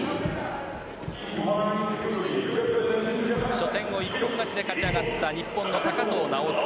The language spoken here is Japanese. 初戦を一本勝ちで勝ち上がった日本の高藤直寿。